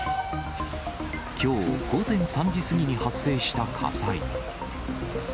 きょう午前３時過ぎに発生した火災。